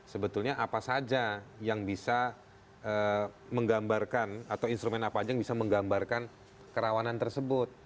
sebetulnya apa saja yang bisa menggambarkan atau instrumen apa aja yang bisa menggambarkan kerawanan tersebut